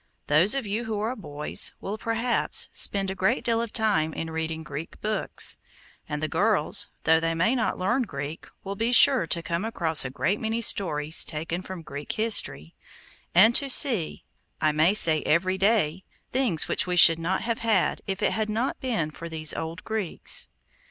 Those of you who are boys will, perhaps, spend a great deal of time in reading Greek books; and the girls, though they may not learn Greek, will be sure to come across a great many stories taken from Greek history, and to see, I may say every day, things which we should not have had if it had not been for these old Greeks.